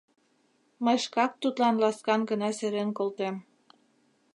— Мый шкак тудлан ласкан гына серен колтем.